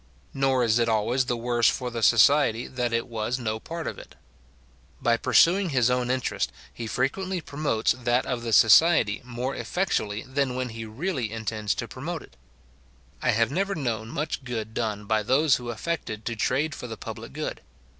Nor is it always the worse for the society that it was no part of it. By pursuing his own interest, he frequently promotes that of the society more effectually than when he really intends to promote it. I have never known much good done by those who affected to trade for the public good.